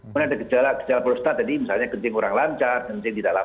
kemudian ada gejala prostat tadi misalnya kencing kurang lancar kencing tidak lama